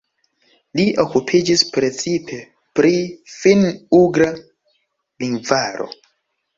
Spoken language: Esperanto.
Li okupiĝis precipe pri finn-ugra lingvaro.